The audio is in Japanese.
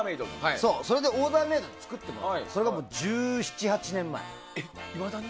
それでオーダーメイドで作ってもらってそれが１７１８年前。